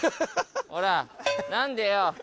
ほら何でよ。